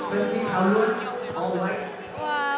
เป็นสิ่งข้าวเลือดใช่ไหม